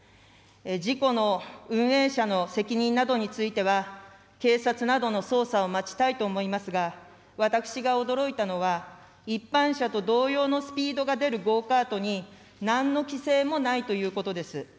事故の運営者の責任などについては警察などの捜査を待ちたいと思いますが、私が驚いたのは、一般車と同様のスピードが出るゴーカートに、なんの規制もないということです。